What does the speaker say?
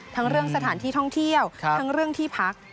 ทั้งเรื่องสถานที่ท่องเที่ยวทั้งเรื่องที่พัก